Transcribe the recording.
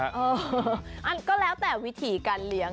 เอออันก็แล้วแต่วิถีการเลี้ยง